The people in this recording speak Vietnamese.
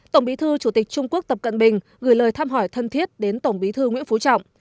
tổng bí thư chủ tịch trung quốc tập cận bình gửi lời tham hỏi thân thiết đến tổng bí thư nguyễn phú trọng